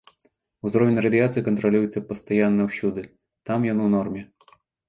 Узровень радыяцыі кантралюецца пастаянна ўсюды, там ён у норме.